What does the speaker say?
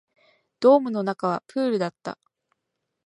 ドームの中はプールだった